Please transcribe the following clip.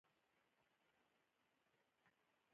دوی د غټو بدنونو لرونکي انسانان وو.